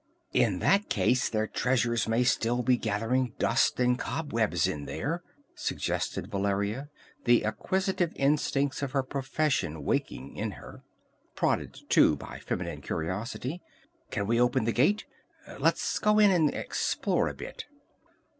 "In that case their treasures may still be gathering dust and cobwebs in there," suggested Valeria, the acquisitive instincts of her profession waking in her; prodded, too, by feminine curiosity. "Can we open the gate? Let's go in and explore a bit."